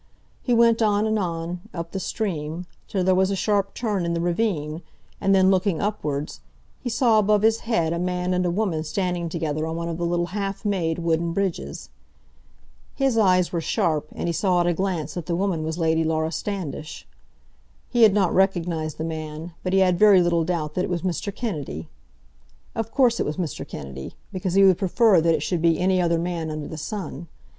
He went on and on, up the stream, till there was a sharp turn in the ravine, and then, looking upwards, he saw above his head a man and a woman standing together on one of the little half made wooden bridges. His eyes were sharp, and he saw at a glance that the woman was Lady Laura Standish. He had not recognised the man, but he had very little doubt that it was Mr. Kennedy. Of course it was Mr. Kennedy, because he would prefer that it should be any other man under the sun.